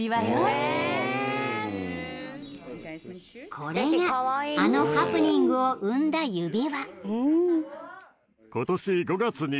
［これがあのハプニングを生んだ指輪］